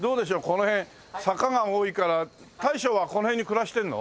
この辺坂が多いから大将はこの辺に暮らしてるの？